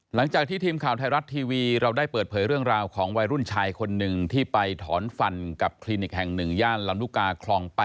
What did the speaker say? หลังจากที่ทีมข่าวไทยรัฐทีวีเราได้เปิดเผยเรื่องราวของวัยรุ่นชายคนหนึ่งที่ไปถอนฟันกับคลินิกแห่ง๑ย่านลำลูกกาคลอง๘